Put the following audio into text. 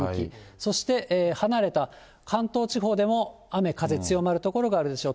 そして離れた関東地方でも雨風強まる所があるでしょう。